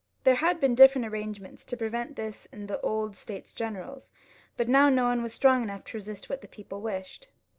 There had been different arrangements to prevent this in the old States General, but now no one was strong enough to resist what the people wished.